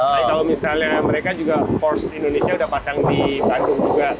tapi kalau misalnya mereka juga force indonesia udah pasang di bandung juga